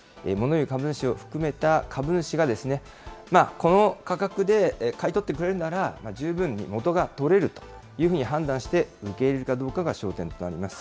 言う株主を含めた株主がこの価格で買い取ってくれるなら、十分もとがとれるというふうに判断して、受け入れるかどうかが焦点となります。